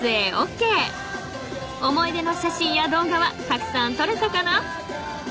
［思い出の写真や動画はたくさんとれたかな？］